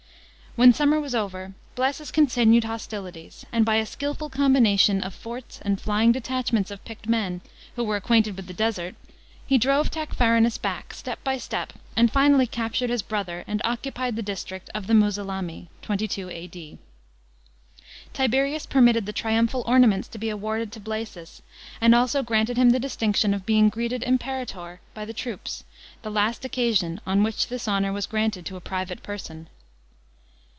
When summer was over, Blsesus continued hostilities, and by a skilful combination of forts and flying detachments of picked men, who were acquainted with the de.>ert, he drove Tacfarinas back step by step and finally captured his brother, and occupied the district of the Musulamii (22 A.D.). Tiberius per mitted the triumphal ornaments to be awarded to Blsesus, and also granted him the distinction of being greeted Imperator by the troops — the last occasion on which this honour was granted to a private person.